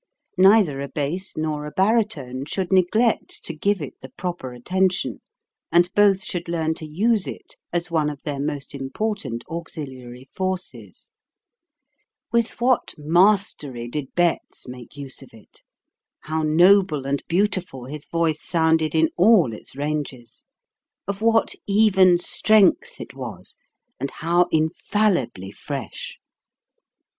Neither a bass nor a baritone should neglect to give it the proper attention, and both should learn to use it as one of their most important auxiliary forces. With what mastery did Betz make use of it ; how noble and beautiful his voice sounded in all its ranges; of what even strength it was, and how infallibly fresh